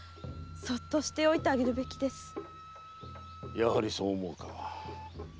やはりそう思うか。